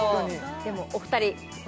でもお二人ほ